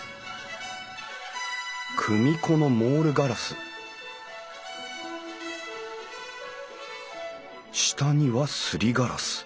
組子のモールガラス下にはすりガラス。